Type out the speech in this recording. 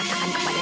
sarah ibu ibu